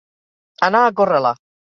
Anar a córrer-la.